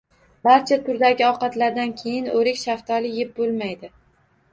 Barcha turdagi ovqatlardan keyin o‘rik, shaftoli yeb bo‘lmaydi.